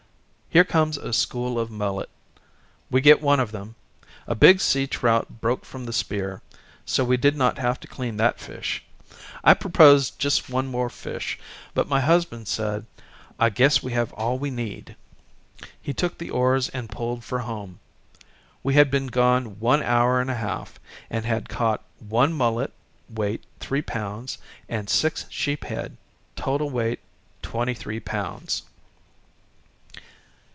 Here comes a school of mullet, we get one of them. A big sea trout broke from the spear, so we did not have to clean that fish. I proposed just one more fish, but my husband said, "I guess we have all we need." He took the oars and pulled for home. We had been gone one hour and a half, and had caught one mullet, weight three pounds, and six sheephead, total weight twenty three pounds..